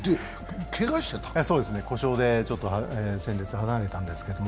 故障で先日離れたんですけど。